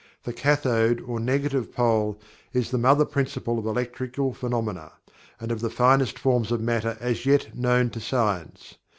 The Cathode, or Negative Pole, is the Mother Principle of Electrical Phenomena, and of the finest forms of matter as yet known to science.